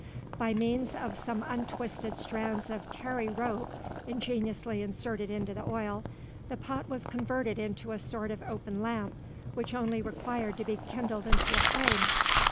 By means of some untwisted strands of tarry rope, ingeniously inserted into the oil, the pot was converted into a sort of open lamp, which only required to be kindled into a flame.